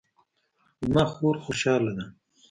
زما خور خوشحاله ده